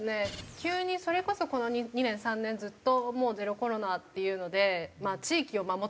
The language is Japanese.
急にそれこそこの２年３年ずっともうゼロコロナっていうので地域を守ってきたんですよね。